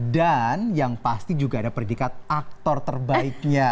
dan yang pasti juga ada predikat aktor terbaiknya